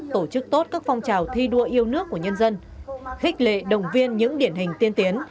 tổ chức tốt các phong trào thi đua yêu nước của nhân dân khích lệ đồng viên những điển hình tiên tiến